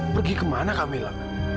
pergi kemana camilla